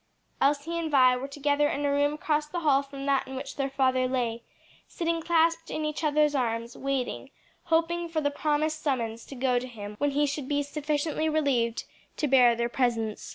Elsie and Vi were together in a room across the hall from that in which their father lay, sitting clasped in each other's arms, waiting, hoping for the promised summons to go to him when he should be sufficiently relieved to bear their presence.